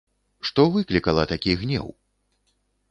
Што выклікала такі гнеў?